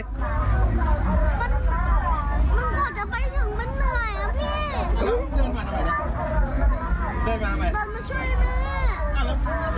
สะถุงที่มันมีซิฟน์ไง